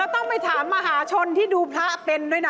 ต้องไปถามมหาชนที่ดูพระเป็นด้วยนะ